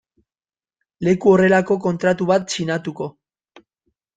luke horrelako kontratu bat sinatuko.